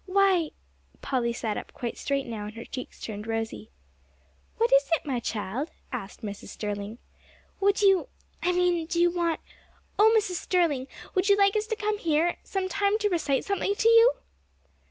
"Why " Polly sat up quite straight now, and her cheeks turned rosy. "What is it, my child?" asked Mrs. Sterling. "Would you I mean, do you want oh, Mrs. Sterling, would you like us to come here some time to recite something to you?"